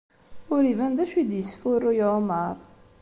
Ur iban d acu i d-yesfurruy ɛumaṛ.